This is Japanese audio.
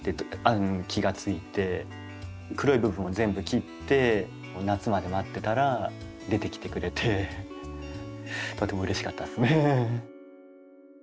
黒い部分を全部切って夏まで待ってたら出てきてくれてとてもうれしかったですね。